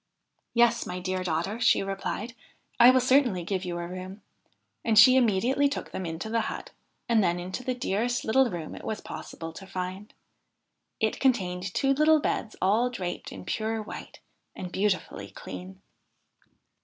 ' Yes, my dear daughter,' she replied, ' I will certainly give you a room.' And she immediately took them into the hut, and then into the dearest little room it was possible to find. It contained two little beds all draped in pure white and beautifully clean.